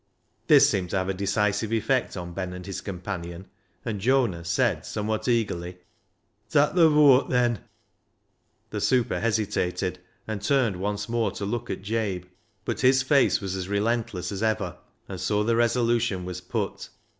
This seemed to have a decisive effect on Ben and his companion, and Jonas said somewhat eagerly —" Tak' th' vooate then." The super hesitated, and turned once more to look at Jabe, but his face was as relentless as •ever. And so the resolution was put.